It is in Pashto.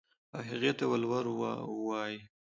او هغې ته ولور وايو.